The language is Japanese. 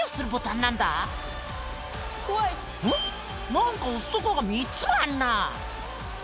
何か押すとこが３つもあんな！